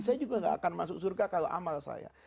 saya juga gak akan masuk surga kalau amal saya